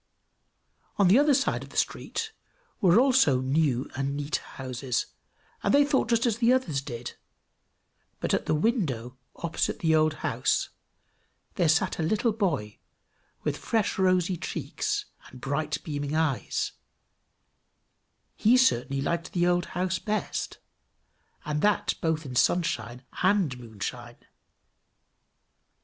On the other side of the street were also new and neat houses, and they thought just as the others did; but at the window opposite the old house there sat a little boy with fresh rosy cheeks and bright beaming eyes: he certainly liked the old house best, and that both in sunshine and moonshine.